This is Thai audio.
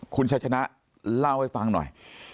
คุณชัยชนะเล่าให้ฟังหน่อย